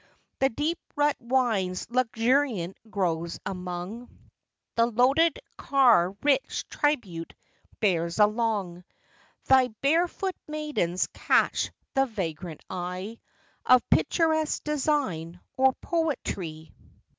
The deep rut winds luxuriant groves among; The loaded car rich tribute bears along. Thy barefoot maidens catch the vagrant eye Of picturesque design or poetry. c ITALY.